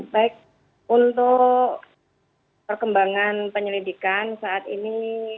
baik untuk perkembangan penyelidikan saat ini